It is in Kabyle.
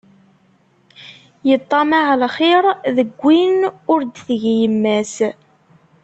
Iṭṭamaɛ lxiṛ deg win ur d-tgi yemma-s.